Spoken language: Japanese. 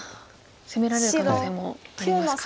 攻められる可能性もありますか。